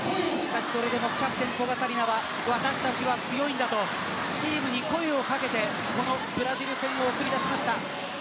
それでもキャプテン古賀紗理那は私たちは強いんだとチームに声をかけてこのブラジル戦へ送り出しました。